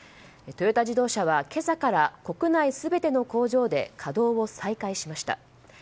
トヨタ自動車は今朝から国内全ての工場で稼働を再開しました。